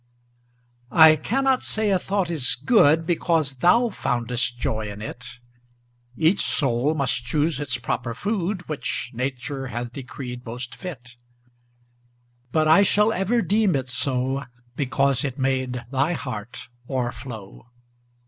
I cannot say a thought is good Because thou foundest joy in it; Each soul must choose its proper food Which Nature hath decreed most fit; But I shall ever deem it so Because it made thy heart o'erflow.